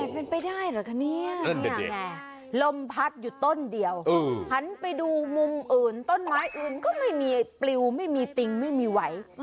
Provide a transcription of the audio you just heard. เป็นไปได้เหรอคะเนี่ยลมพัดอยู่ต้นเดียวหันไปดูมุมอื่นต้นไม้อื่นก็ไม่มีปลิวไม่มีติงไม่มีไหว